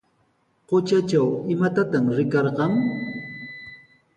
Qutratraw, ¿imatataq rikarqan?